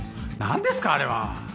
何ですかあれは。